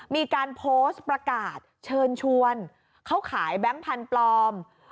มีการโพสต์ประกาศเชิญชวนเขาขายแบงค์พันธุ์ปลอม